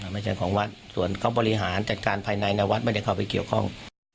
ไม่ใช่ของวัดส่วนเขาบริหารจัดการภายในวัดไม่ได้เข้าไปเกี่ยวข้อง